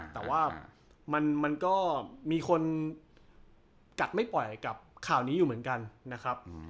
แต่ว่ามันก็มีคนกัดไม่ปล่อยกับข่าวนี้อยู่เหมือนกันนะครับ